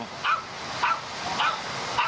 ฝี่